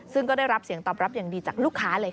ซึ่งก็ได้รับเสียงตอบรับอย่างดีจากลูกค้าเลยค่ะ